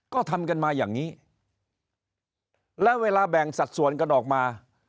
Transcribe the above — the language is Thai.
ก็ทำกันมาอย่างนี้แล้วเวลาแบ่งสัดส่วนกันออกมา